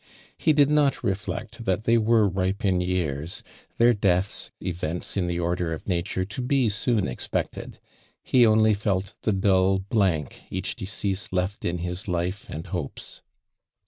He did not reflect that they were ripe in years —| their death.>», events in the order of nature to be soon expected — he only felt the dull blank each decease left in his life and hopes.